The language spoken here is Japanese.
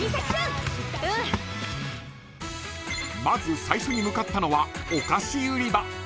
［まず最初に向かったのはお菓子売り場］